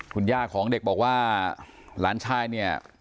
คุณย่าของเด็กบอกว่าหลานชายเนี่ย